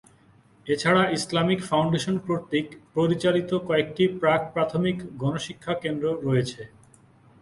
এছাড়া Islamic foundation কর্তৃক পরিচালিত কয়েকটি প্রাক-প্রাথমিক গণশিক্ষা কেন্দ্র রয়েছে।